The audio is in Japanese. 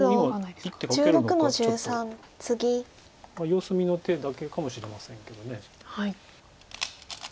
様子見の手だけかもしれませんけど。